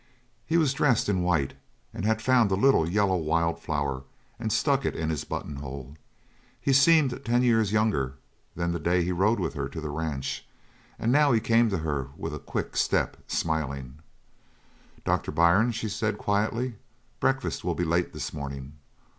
He was dressed in white and he had found a little yellow wildflower and stuck it in his button hole. He seemed ten years younger than the day he rode with her to the ranch, and now he came to her with a quick step, smiling. "Doctor Byrne," she said quietly, "breakfast will be late this morning.